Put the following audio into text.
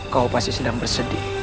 kau pasti sedang bersedih